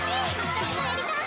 私もやりたい！